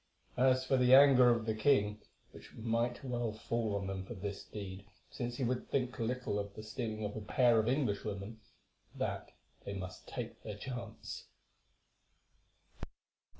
As for the anger of the king, which might well fall on them for this deed, since he would think little of the stealing of a pair of Englishwomen, of that they must take their chance.